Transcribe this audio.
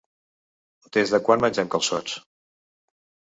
Des de quan mengem calçots?